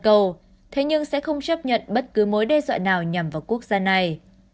cầu thế nhưng sẽ không chấp nhận bất cứ mối đe dọa nào nhằm vào quốc gia này